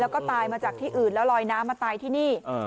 แล้วก็ตายมาจากที่อื่นแล้วลอยน้ำมาตายที่นี่